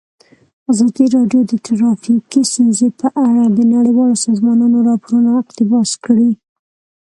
ازادي راډیو د ټرافیکي ستونزې په اړه د نړیوالو سازمانونو راپورونه اقتباس کړي.